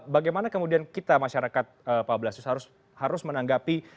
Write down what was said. bagaimana kemudian kita masyarakat pak blasius harus menanggapi